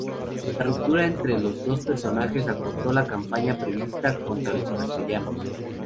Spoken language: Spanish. La ruptura entre los dos personajes acortó la campaña prevista contra los castellanos.